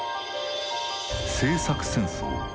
「政策戦争」